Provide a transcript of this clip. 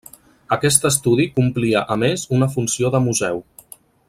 Aquest estudi complia a més una funció de museu.